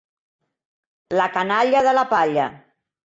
La canalla de la palla.